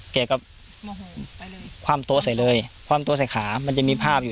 แกก็โมโหไปเลยความตัวใส่เลยความตัวใส่ขามันจะมีภาพอยู่